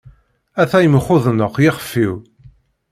Ata yemxudneq yexef-iw.